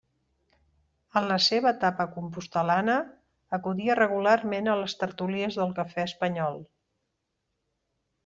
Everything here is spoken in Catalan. En la seva etapa compostel·lana acudia regularment a les tertúlies del Cafè Espanyol.